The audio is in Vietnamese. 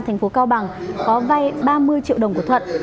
thành phố cao bằng có vay ba mươi triệu đồng của thuận